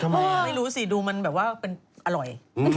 ไม่รู้สิมันแบบว่าอร่อย